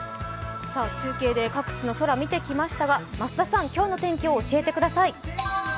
中継で各地の空を見てきましたが今日の天気を教えてください。